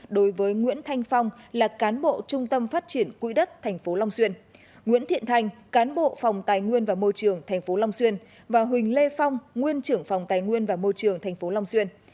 đối với nguyễn thanh phong là cán bộ trung tâm phát triển quỹ đất tp long xuyên nguyễn thiện thanh cán bộ phòng tài nguyên và môi trường tp long xuyên và huỳnh lê phong nguyên trưởng phòng tài nguyên và môi trường tp long xuyên